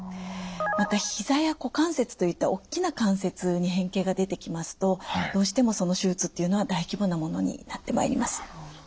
またひざや股関節といった大きな関節に変形が出てきますとどうしてもその手術っていうのは大規模なものになってまいります。